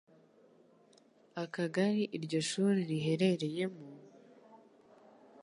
akagari iryo shuri riherereyemo,